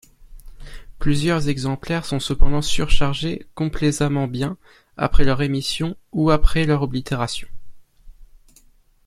Plusieurs exemplaires sont cependant surchargés complaisamment bien après leur émission ou après leur oblitération.